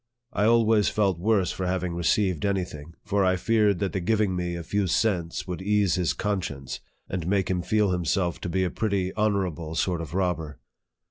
I always felt worse for having received any thing ; for I feared that the giving me a few cents would ease his conscience, and make him feel himself to be a pretty honorable sort of robber.